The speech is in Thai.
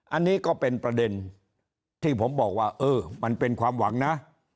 อันนี้ก็เป็นประเด็นที่ผมบอกว่าเออมันเป็นความหวังนะ